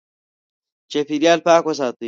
چاپېریال پاک وساتئ.